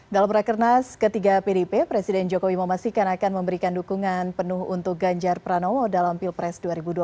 dalam rakernas ketiga pdp presiden jokowi memastikan akan memberikan dukungan penuh untuk ganjar pranowo dalam pilpres dua ribu dua puluh